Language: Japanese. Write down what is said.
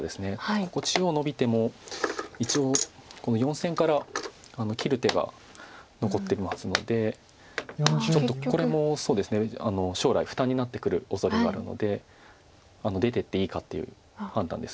ここ中央ノビても一応４線から切る手が残ってるはずなのでちょっとこれも将来負担になってくるおそれがあるので出ていっていいかっていう判断です。